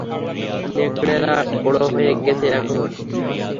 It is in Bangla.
নেকড়েটা বড় হয়ে গেছে এখন।